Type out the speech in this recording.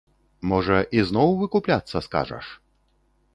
Можа, ізноў выкупляцца скажаш?